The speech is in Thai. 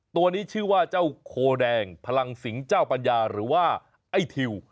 ตัวนี้ชื่อว่าเจ้าโคแดงพลังสิงห์เจ้าปัญญาหรือว่าไอ้ทิว